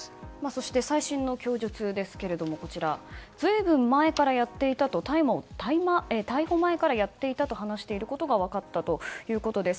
そして最新の供述ですけれども随分前からやっていたと大麻を逮捕前からやっていたと話していることが分かったということです。